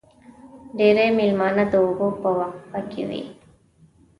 ډېری مېلمانه د اوبو په وقفه کې وي.